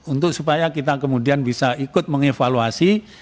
untuk supaya kita kemudian bisa ikut mengevaluasi